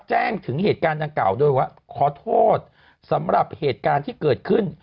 แจ้งถึงเหตุการณ์ดังกล่าวโดยว่าขอโทษสำหรับเหตุการณ์ที่เกิดขึ้น